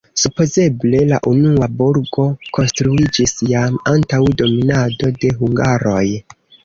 Supozeble la unua burgo konstruiĝis jam antaŭ dominado de hungaroj.